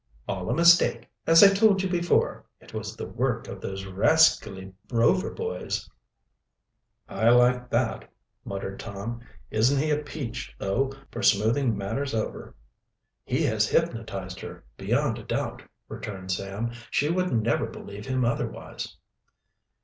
"All a mistake, as I told you before. It was the work of those rascally Rover boys." "I like that," muttered Tom. "Isn't he a peach, though, for smoothing matters over?" "He has hypnotized her, beyond a doubt," returned Sam. "She would never believe him otherwise."